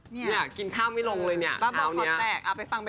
นี่กินข้าวผม่ายกลัวเลยเนี่ย